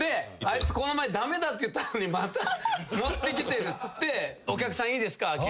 あいつこの前駄目だって言ったのにまた持ってきてるってお客さんいいですか？